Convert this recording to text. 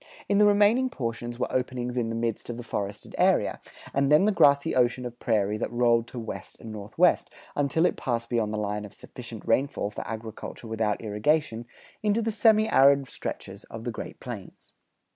In the remaining portions were openings in the midst of the forested area, and then the grassy ocean of prairie that rolled to west and northwest, until it passed beyond the line of sufficient rainfall for agriculture without irrigation, into the semi arid stretches of the Great Plains.